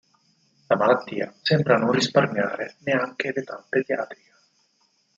La malattia sembra non risparmiare neanche l'età pediatrica.